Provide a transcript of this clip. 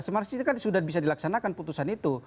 semarang sudah bisa dilaksanakan putusan itu